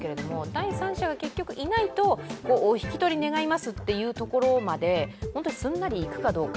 第三者がいないと、お引き取り願いますというところまで、すんなりいくかどうか。